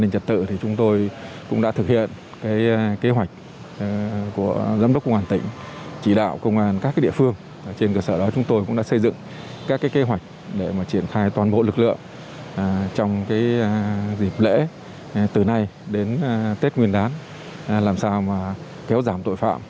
tình hình trật tự thì chúng tôi cũng đã thực hiện kế hoạch của giám đốc công an tỉnh chỉ đạo công an các địa phương trên cơ sở đó chúng tôi cũng đã xây dựng các kế hoạch để triển khai toàn bộ lực lượng trong dịp lễ từ nay đến tết nguyên đán làm sao kéo giảm tội phạm